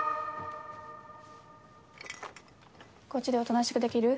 こっちでおとなしくできる？